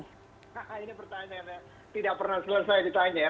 nah ini pertanyaan ya kak tidak pernah selesai ditanya